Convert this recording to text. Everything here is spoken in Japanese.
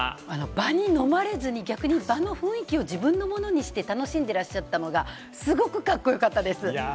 場にのまれずに逆に場の雰囲気を自分のものにして楽しんでらっしゃったのが、すごくカッコよかったです。